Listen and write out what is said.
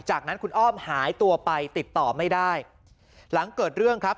จากนั้นคุณอ้อมหายตัวไปติดต่อไม่ได้หลังเกิดเรื่องครับ